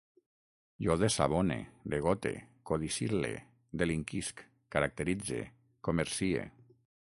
Jo desabone, degote, codicil·le, delinquisc, caracteritze, comercie